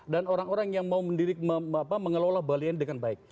dan orang orang yang mau mengelola bali ini dengan baik